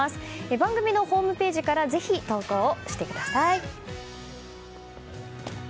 番組のホームページからぜひ、投稿してください。